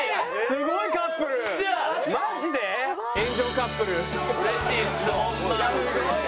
すごいね！